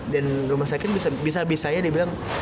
dan rumah sakit bisa bisanya dia bilang